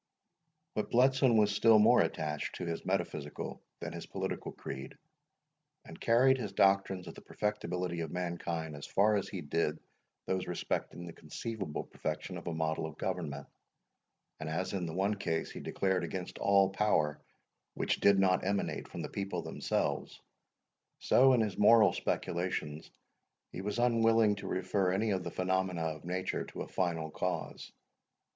But Bletson was still more attached to his metaphysical than his political creed, and carried his doctrines of the perfectibility of mankind as far as he did those respecting the conceivable perfection of a model of government; and as in the one case he declared against all power which did not emanate from the people themselves, so, in his moral speculations, he was unwilling to refer any of the phenomena of nature to a final cause.